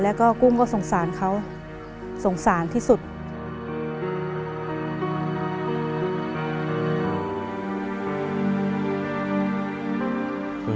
รายการต่อไปนี้เป็นรายการทั่วไปสามารถรับชมได้ทุกวัย